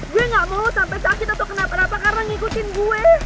gua gak mau sampai sakit atau kenapa napa karena ngikutin gue